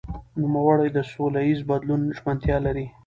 نوموړي د سولهییز بدلون ژمنتیا لري.